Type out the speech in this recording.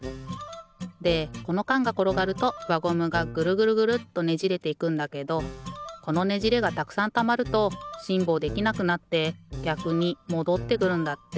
でこのかんがころがるとわゴムがぐるぐるぐるっとねじれていくんだけどこのねじれがたくさんたまるとしんぼうできなくなってぎゃくにもどってくるんだって。